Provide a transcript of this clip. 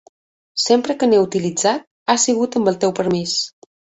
Sempre que n'he utilitzat ha sigut amb el teu permís.